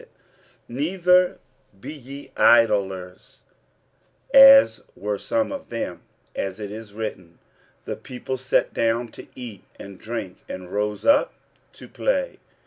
46:010:007 Neither be ye idolaters, as were some of them; as it is written, The people sat down to eat and drink, and rose up to play.